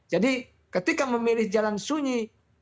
jadi ketika memilih jalan sunyi